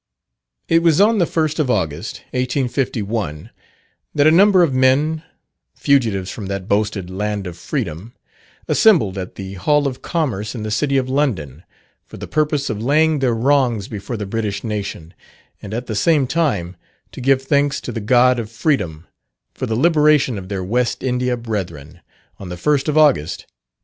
It was on the first of August, 1851, that a number of men, fugitives from that boasted land of freedom, assembled at the Hall of Commerce in the City of London, for the purpose of laying their wrongs before the British nation, and at the same time, to give thanks to the God of Freedom for the liberation of their West India brethren, on the first of August, 1834.